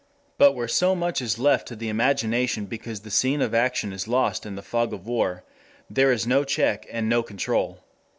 But where so much is left to the imagination because the scene of action is lost in the fog of war, there is no check and no control.